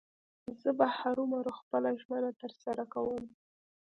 زه به هرو مرو خپله ژمنه تر سره کوم.